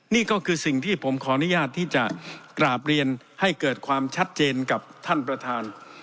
นี่ก็คือสิ่งที่ผมขออนุญาตที่จะกราบเรียนให้เกิดความชัดเจนกับท่านประธาน